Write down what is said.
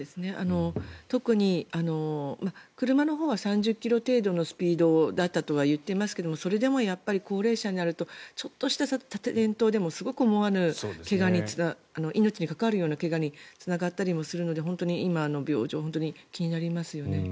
特に、車のほうは３０ｋｍ程度のスピードだったといっていますがそれでもやっぱり高齢者になるとちょっとした転倒でもすごく思わぬ怪我に命に関わるような怪我につながったりもするので本当に今の病状が気になります。